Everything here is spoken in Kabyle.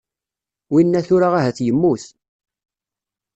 Winna tura ahat yemmut.